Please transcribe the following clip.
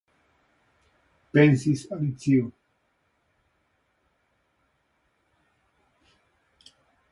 Pensis Alicio.